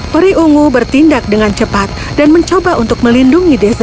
periungu bertindak dengan cepat dan mencoba untuk melindungi desiree